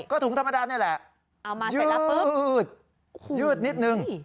ก็ถุงธรรมดานี่แหละเอามาช่วยแล้วปืดยืดนิดนึง